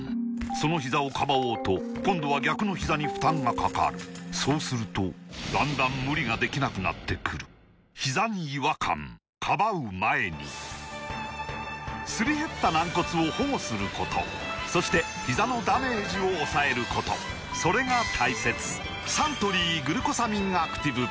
そのひざをかばおうと今度は逆のひざに負担がかかるそうするとだんだん無理ができなくなってくるすり減った軟骨を保護することそしてひざのダメージを抑えることそれが大切サントリー「グルコサミンアクティブ」